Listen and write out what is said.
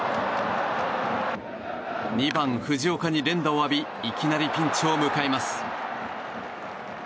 ２番、藤岡に連打を浴びいきなりピンチを迎えます。